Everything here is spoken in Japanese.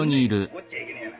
怒っちゃいけねえや。